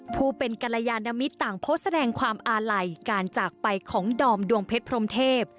ผู้เป็นกรยานมิตรต่างโพสต์แสดงความอาลัยการจากไปของดอมดวงเพชรพรมเทพ